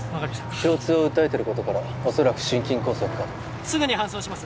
胸痛を訴えていることから恐らく心筋梗塞かとすぐに搬送します